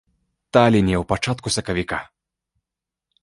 Таліне ў пачатку сакавіка.